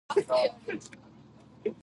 吃鸡